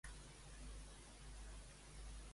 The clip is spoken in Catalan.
Què ha retret Borràs a Sánchez?